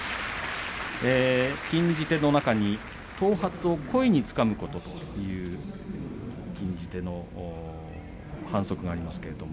禁じ手の中に頭髪を故意につかむという反則があります。